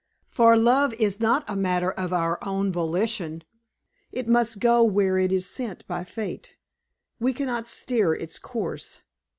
For love is not a matter of our own volition. It must go where it is sent by fate; we can not steer its course.